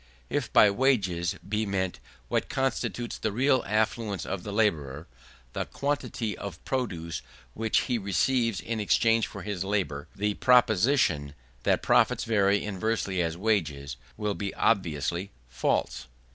If by wages, be meant what constitutes the real affluence of the labourer, the quantity of produce which he receives in exchange for his labour; the proposition that profits vary inversely as wages, will be obviously false.